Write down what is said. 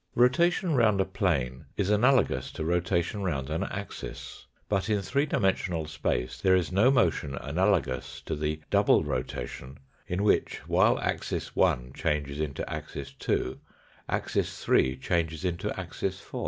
Rotation round a plane is analogous to rotation round an axis. But in three dimensional space there is no motion analogous to the double rotation, in which, while axis 1 changes into axis 2, axis 3 changes into axis 4.